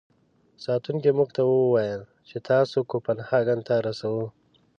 ساتونکو موږ ته و ویل چې تاسو کوپنهاګن ته رسوو.